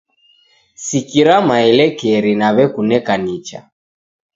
Sikira maelekeri naw'ekuneka nicha